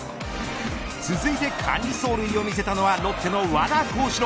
続いて神走塁を見せたのはロッテの和田康士朗。